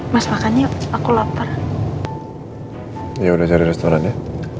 mas makanya aku lapar ya udah jadi restorannya